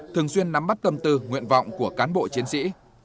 thường xuyên nắm bắt tâm tư nguyện vọng của cán bộ chiến sĩ